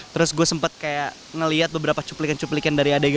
terus gue sempet kayak ngeliat beberapa cuplikan cuplikan dari adegan